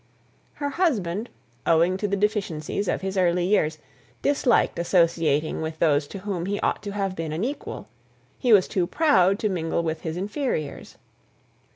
Her husband, owing to the deficiencies of his early years, disliked associating with those to whom he ought to have been an equal; he was too proud to mingle with his inferiors.